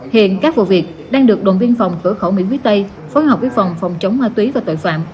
hiện các vụ việc đang được đồn biên phòng cửa khẩu mỹ quý tây phối hợp với phòng phòng chống ma túy và tội phạm